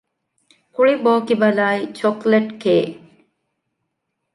ކުޅި ބޯކިބަލާއި ޗޮކްލެޓްކޭއް